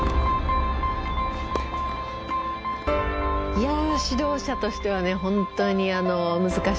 いや指導者としては本当に難しくて。